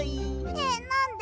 えっなんで？